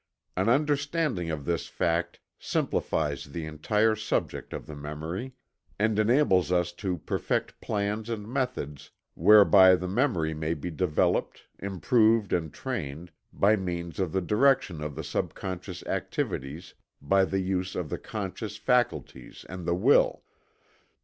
An understanding of this fact simplifies the entire subject of the memory, and enables us to perfect plans and methods whereby the memory may be developed, improved and trained, by means of the direction of the subconscious activities by the use of the conscious faculties and the will.